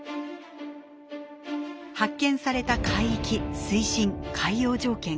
発見された海域水深海洋条件